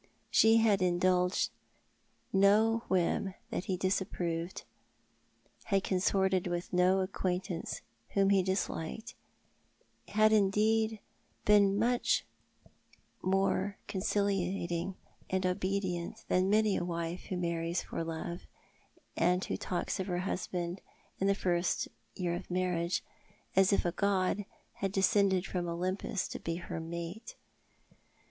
She had indulged no whim that ho disa]>proved, had consorted with no acquaintance whom he disliked, had indeed been much more 3i8 Thou art the Man. conciliating and obedient than many a wife who marries for love, and who talks of her husband in the first year of marriage as if a god had descended from Olympus to be her mate.